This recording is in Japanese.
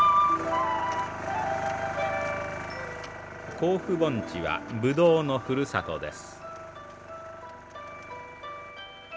甲府盆地はブドウのふるさとです。